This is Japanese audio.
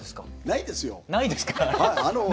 ないですか？